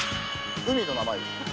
海の名前です。